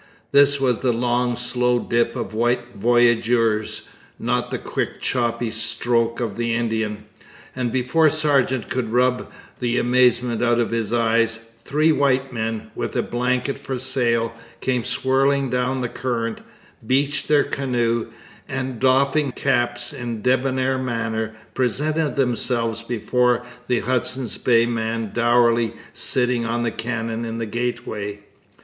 This was the long slow dip of white voyageurs, not the quick choppy stroke of the Indian; and before Sargeant could rub the amazement out of his eyes, three white men, with a blanket for sail, came swirling down the current, beached their canoe, and, doffing caps in a debonair manner, presented themselves before the Hudson's Bay man dourly sitting on a cannon in the gateway.